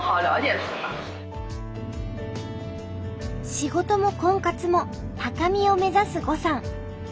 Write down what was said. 仕事も婚活も高みを目指す呉さん。